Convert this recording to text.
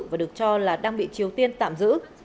và được cho là đang bị triều tiên tạm giữ